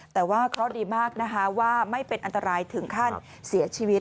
แต่ว่าเคราะห์ดีมากนะคะว่าไม่เป็นอันตรายถึงขั้นเสียชีวิต